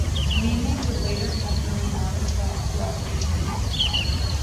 Mimi would later have her own modest Broadway career.